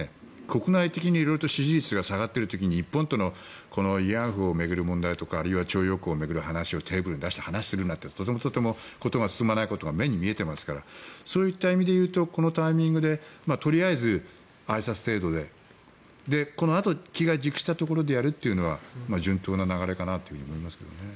国内的に色々と支持率が下がっている時に日本との慰安婦を巡る問題とかあるいは徴用工の問題をテーブルに出して話をするなんてことはとてもとても事が進まないことが見えていますからそういった意味で言うとこのタイミングでとりあえずあいさつ程度でこのあと機が熟したところでやるというのは順当な流れかなと思いますけどね。